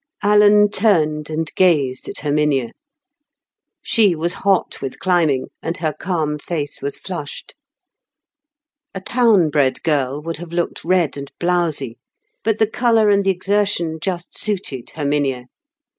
Alan turned and gazed at Herminia; she was hot with climbing, and her calm face was flushed. A town bred girl would have looked red and blowsy; but the colour and the exertion just suited Herminia.